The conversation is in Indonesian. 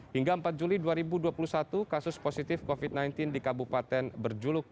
hingga empat juli dua ribu dua puluh satu kasus positif covid sembilan belas di kabupaten berjuluk